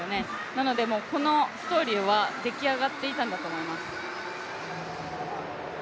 なので、このストーリーはでき上がっていたんだと思います。